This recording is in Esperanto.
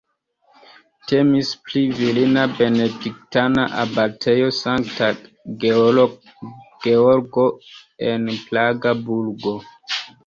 Temis pri virina benediktana abatejo Sankta Georgo en Praga burgo.